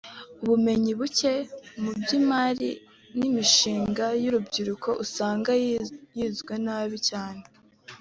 ubumenyi buke mu by’imarin’imishinga y’urubyiruko usanga yizwe nabi cyane